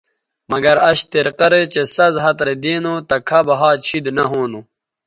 مگر اش طریقہ رے چہء سَز ھَت رے دی نو تہ کھب ھَات شید نہ ھونو